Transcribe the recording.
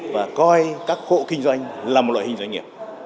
và coi các hộ kinh doanh là một loại hình doanh nghiệp